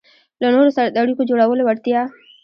-له نورو سره د اړیکو جوړولو وړتیا